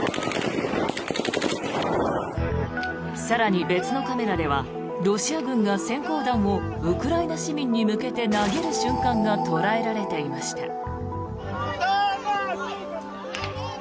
更に、別のカメラではロシア軍が閃光弾をウクライナ市民に向けて投げる瞬間が捉えられていました。